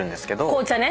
紅茶ね。